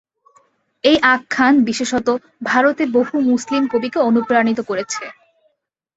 এই আখ্যান বিশেষত ভারতে বহু মুসলিম কবিকে অনুপ্রাণিত করেছে।